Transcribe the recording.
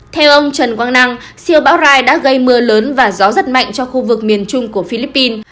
theo ông trần quang năng siêu bão rai đã gây mưa lớn và gió rất mạnh cho khu vực miền trung của philippines